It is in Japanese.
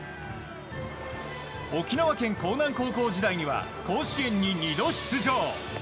沖縄県興南高校時代には甲子園に２度出場。